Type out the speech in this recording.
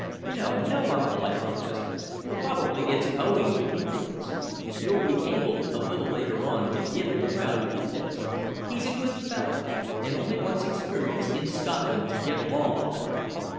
"No, no, uncle," I protested. "Probably it's owing to ignorance. You'll be able, a little later on, to give him valuable tips. He's a good fellow, and only wants experience in Scotland to get along all right."